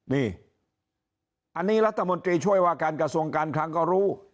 นี่อันนี้รัฐมนตรีช่วยว่าการกระทรวงการคลังก็รู้